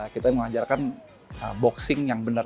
kita mengajarkan boxing yang benar